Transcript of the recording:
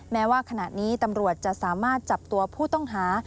แม้ว่าขณะนี้ตำรวจจะสามารถจับตัวผู้ต้องหา